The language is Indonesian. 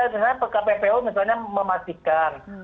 pada saat kppu memastikan